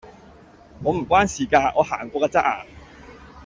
我唔關事㗎，我行過㗎咋